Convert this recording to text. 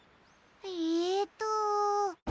えっと。